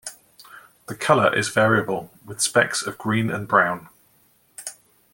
The color is variable, with specks of green and brown.